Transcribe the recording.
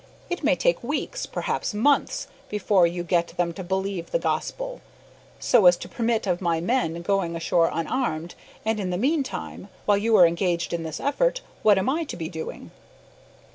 It may take weeks, perhaps months, before you get them to believe the gospel, so as to permit of my men going ashore unarmed, and in the meantime, while you are engaged in this effort, what am I to be doing?"